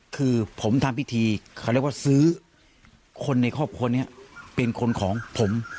คือผมทำพิธีเขาเรียกว่าซื้อคนในครอบครัวนี้เป็นคนของผม